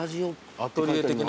アトリエ的な？